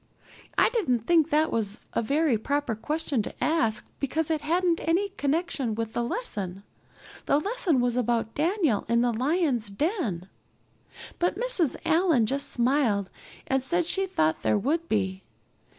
I didn't think that was a very proper question to ask because it hadn't any connection with the lesson the lesson was about Daniel in the lions' den but Mrs. Allan just smiled and said she thought there would be.